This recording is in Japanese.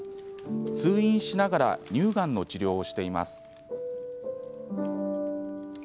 通院しながら乳がんの治療をしています。